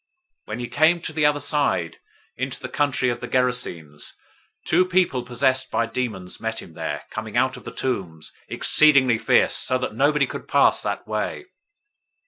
008:028 When he came to the other side, into the country of the Gergesenes,{NU reads "Gadarenes"} two people possessed by demons met him there, coming out of the tombs, exceedingly fierce, so that nobody could pass that way.